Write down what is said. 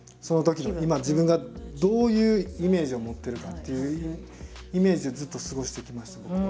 今自分がどういうイメージを持ってるかっていうイメージでずっと過ごしてきました僕は。